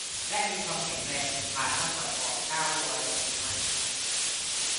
และมีความแข็งแรง ทนทาน มากกว่าทอง เก้าร้อยหกสิบห้า